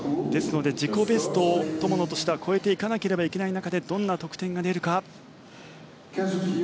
自己ベストを友野は超えていかなければいけない中でどんな得点が出るか。